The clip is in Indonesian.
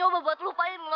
aku mau pergi kemana mana